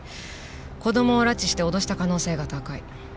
子供を拉致して脅した可能性が高い。